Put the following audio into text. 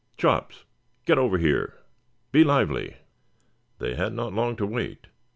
Chops! Get over here! Be lively!" They had not long to wait.